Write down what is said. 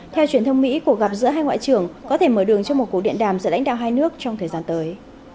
theo truyền thông mỹ cuộc gặp giữa hai ngoại trưởng có thể mở đường cho một cuộc điện đàm giữa lãnh đạo hai nước trong thời gian tới